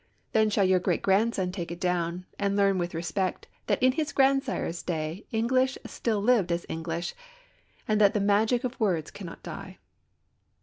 Then shall your great grandson take it down and learn with respect that in his grandsire's day English still lived as English, and that the magic of words cannot die.